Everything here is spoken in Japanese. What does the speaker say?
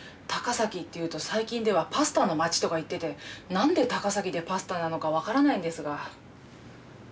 高崎っていうと最近ではパスタの街とか言ってて何で高崎でパスタなのか分からないんですが。